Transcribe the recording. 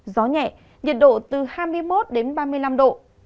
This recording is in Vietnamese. gió nhẹ nhiệt độ từ hai mươi một đến ba mươi năm độ